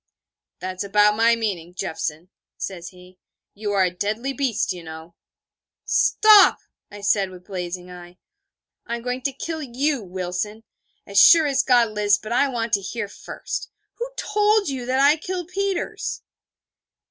'That's about my meaning, Jeffson,' says he: 'you are a deadly beast, you know.' 'Stop!' I said, with blazing eye. 'I am going to kill you, Wilson as sure as God lives: but I want to hear first. Who told you that I killed Peters?'